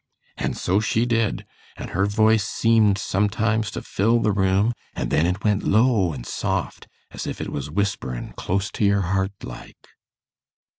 An' so she did; an' her voice seemed sometimes to fill the room; an' then it went low an' soft, as if it was whisperin' close to your heart like.